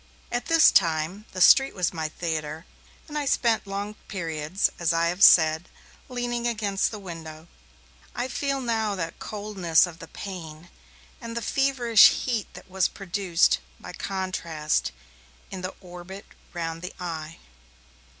At this time, the street was my theatre, and I spent long periods, as I have said, leaning against the window. I feel now that coldness of the pane, and the feverish heat that was produced, by contrast, in the orbit round the eye.